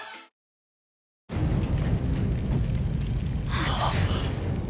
あっ。